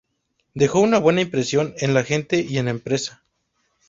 Dejó una buena impresión en la gente y en la prensa.